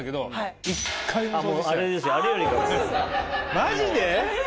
マジで？